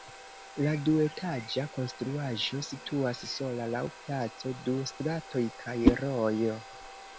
La duetaĝa konstruaĵo situas sola laŭ placo, du stratoj kaj rojo.